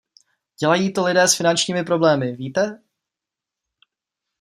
Dělají to lidé s finančními problémy, víte?